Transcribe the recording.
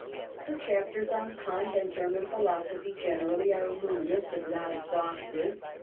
Her chapters on Kant and German philosophy generally, are luminous if not exhaustive.